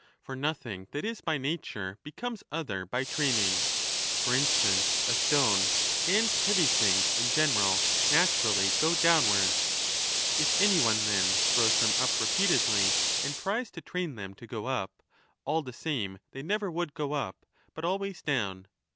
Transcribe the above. For nothing that is by nature becomes other by training. For instance, a 5 stone, and heavy things in general, naturally go down wards. If any one, then, throws them up repeatedly, and tries to train them to go up, all the same they never would go up, but always down.